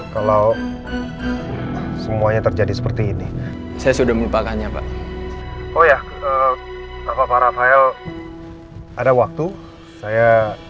kalau semuanya terjadi seperti ini saya sudah lupakannya pak oh ya apa pak rafael ada waktu saya